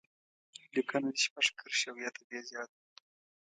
لیکنه دې شپږ کرښې او یا تر دې زیاته وي.